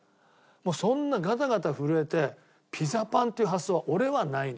そんなガタガタ震えてピザパンっていう発想は俺はないね。